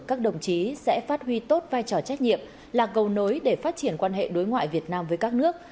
các đồng chí sẽ phát huy tốt vai trò trách nhiệm là cầu nối để phát triển quan hệ đối ngoại việt nam với các nước